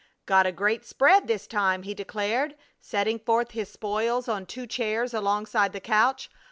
"Got a great spread this time," he declared, setting forth his spoils on two chairs alongside the couch.